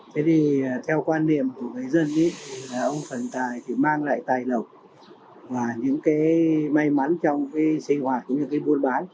thế thì theo quan điểm của dân ông thần tài mang lại tài lộc và những may mắn trong sinh hoạt những buôn bán